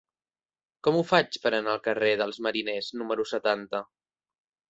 Com ho faig per anar al carrer dels Mariners número setanta?